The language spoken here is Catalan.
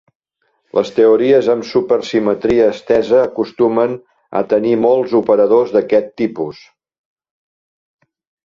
Les teories amb supersimetria estesa acostumen a tenir molts operadors d'aquest tipus.